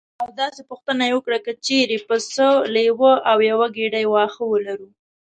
او داسې پوښتنه یې وکړه: که چېرې پسه لیوه او یوه ګېډۍ واښه ولرو.